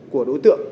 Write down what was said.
của đối tượng